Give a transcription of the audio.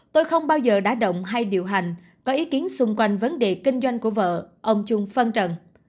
tôi không bao giờ đã động hay điều hành có ý kiến xung quanh vấn đề kinh doanh của vợ ông chung phân trần